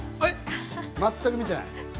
全く見てない。